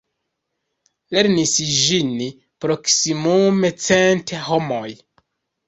Lernis ĝin proksimume cent homoj.